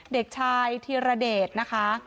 เด็กชายธีรเดชนะคะ